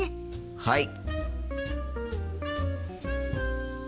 はい！